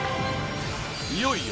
いよいよ